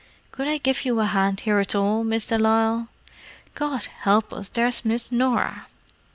Could I give you a hand here at all, Miss de Lisle? God help us, there's Miss Norah!"